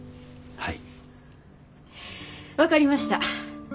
はい。